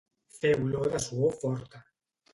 Fer olor de suor forta